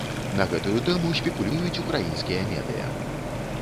На гэтую тэму спекулююць украінскія медыя.